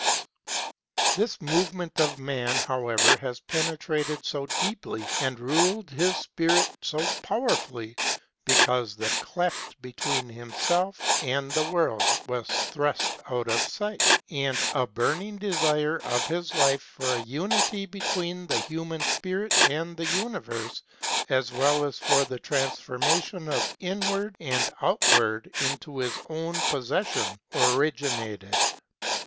SPECULATIVE PHILOSOPHY 39 This movement of man, however, has pene trated so deeply and ruled his spirit so powerfully because the cleft between himself and the world was thrust out of sight ; and a burning desire of his life for a unity between the human spirit and the universe as well as for the transformation of inward and outward into his own possession originated.